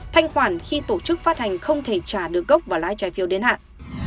thanh khoản khi tổ chức phát hành không thể trả được gốc và lãi trái phiếu đến hạn